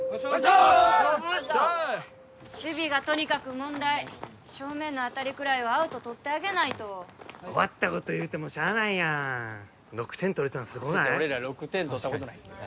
ありがとうございました守備がとにかく問題正面の当たりくらいはアウトとってあげないと終わったこと言うてもしゃあないやん６点取れたのすごいぞ俺ら６点取ったことないっすよ